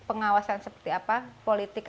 pengawasan seperti apa politik